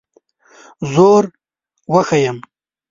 زور وښیم.